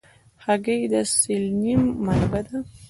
هګۍ د سلینیم منبع ده.